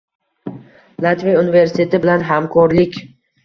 Latviya universiteti bilan hamkorlikng